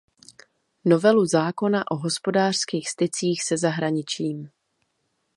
novelu zákona o hospodářských stycích se zahraničím